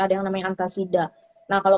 ada yang namanya antasida nah kalau